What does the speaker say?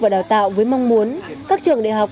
và đào tạo với mong muốn các trường đại học